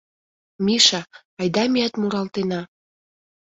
Миша, айда меат муралтена!